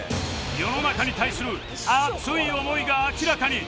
世の中に対する熱い思いが明らかに！